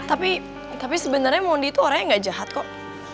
tapi sebenarnya mondi itu orang yang gak jahat kok